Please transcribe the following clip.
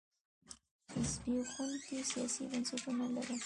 چې زبېښونکي سیاسي بنسټونه لرل.